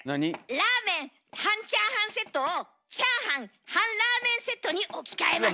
ラーメン・半チャーハンセットをチャーハン・半ラーメンセットに置き換えます。